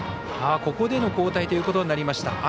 ここでの交代ということになりました。